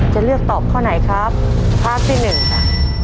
จะเลือกตอบข้อไหนครับภาพที่หนึ่งจ้ะ